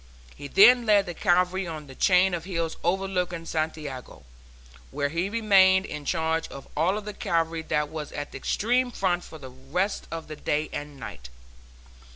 He then led the cavalry on the chain of hills overlooking Santiago, where he remained in charge of all the cavalry that was at the extreme front for the rest of that day and night.